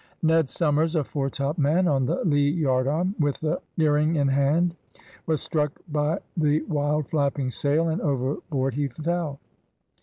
Ned Somers, a foretop man, on the lee yardarm, with the earring in hand, was struck by the wild, flapping sail, and overboard he fell.